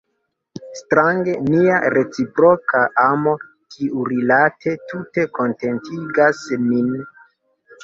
Strange, nia reciproka amo tiurilate tute kontentigas nin.